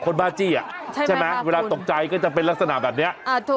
นี่นี่